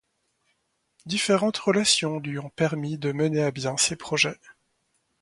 Différentes relations lui ont permis de mener à bien ses projets.